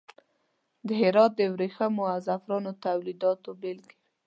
د هرات د وریښمو او زغفرانو تولیداتو بیلګې وې.